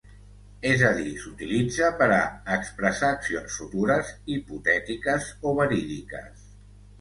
És a dir, s'utilitza per a expressar accions futures, hipotètiques o verídiques.